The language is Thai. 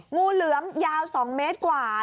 งูเหลือมยาว๒เมตรกว่า